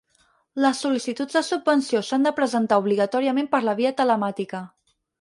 Les sol·licituds de subvenció s'han de presentar obligatòriament per la via telemàtica.